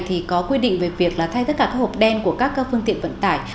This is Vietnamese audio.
thì có quy định về việc là thay tất cả các hộp đen của các phương tiện vận tải